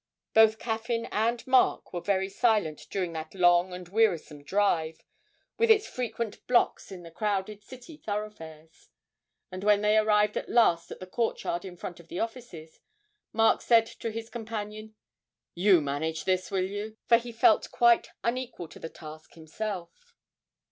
Both Caffyn and Mark were very silent during that long and wearisome drive, with its frequent blocks in the crowded City thoroughfares; and when they arrived at last at the courtyard in front of the offices, Mark said to his companion, 'You manage this, will you?' for he felt quite unequal to the task himself.